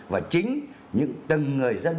và chính những tầng người dân